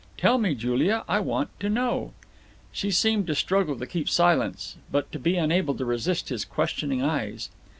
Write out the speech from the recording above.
Tell me, Julia, I want to know." She seemed to struggle to keep silence, but to be unable to resist his questioning eyes.